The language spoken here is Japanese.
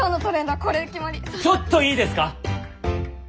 ちょっといいですか？